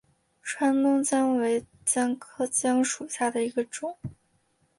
川东姜为姜科姜属下的一个种。